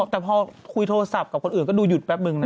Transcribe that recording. แต่พอคุยโทรศัพท์กับคนอื่นก็ดูหยุดแป๊บนึงนะ